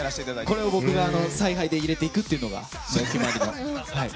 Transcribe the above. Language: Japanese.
これを僕が采配で入れてくというのがお決まりで。